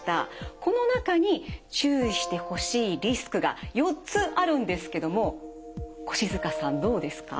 この中に注意してほしいリスクが４つあるんですけども越塚さんどうですか？